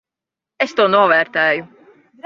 Es to novērtēju.